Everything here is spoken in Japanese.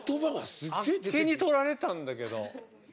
呆気にとられたんだけど。